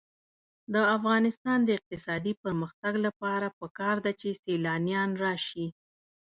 د افغانستان د اقتصادي پرمختګ لپاره پکار ده چې سیلانیان راشي.